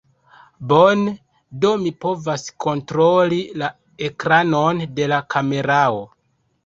Bone, do mi povas kontroli la ekranon de la kamerao.